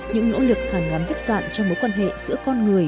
những nỗ lực hàng ngắn vết dạn trong mối quan hệ giữa con người